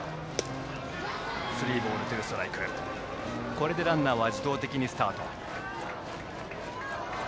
これでランナーは自動的にスタート。